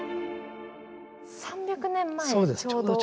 ３００年前ちょうど。